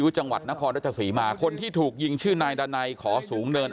จังหวัดนครรัชศรีมาคนที่ถูกยิงชื่อนายดันัยขอสูงเนิน